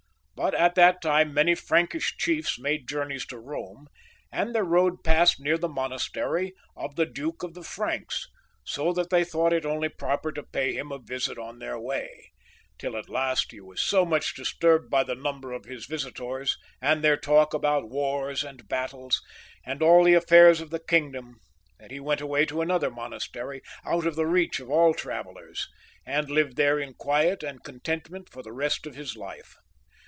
But at that time many Prankish chiefs made journeys to Eome, and their road passed near the monastery of the Duke of the Pranks, so that they thought it only proper to pay VII.] THE CARLOVINGIANS. 35 him a visit on their way ; till at last he was so much dis turbed by the number of his visitors, and their talk about wars and battles, and all the aflFairs of the kingdom, that he went away to another monastery out of the reach of all travellers, and lived there in quiet and contentment for the rest of his life.